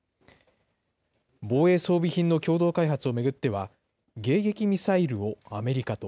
防衛装備品の共同開発を巡っては、迎撃ミサイルをアメリカと、